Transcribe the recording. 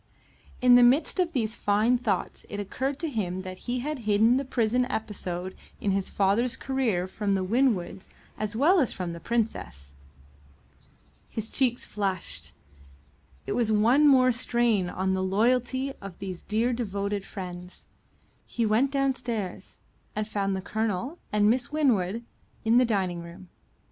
In the midst of these fine thoughts it occurred to him that he had hidden the prison episode in his father's career from the Winwoods as well as from the Princess. His cheeks flushed; it was one more strain on the loyalty of these dear devoted friends. He went downstairs, and found the Colonel and Miss Winwood in the dining room.